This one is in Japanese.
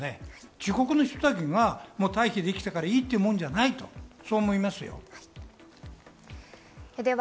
自国の人たちが退避できたからもういいって、いいわけじゃないと、そう思いますよ。